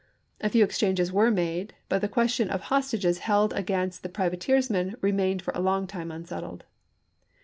A few exchanges were made, but the question of the hostages held against the priva teersmen remained for a long time unsettled.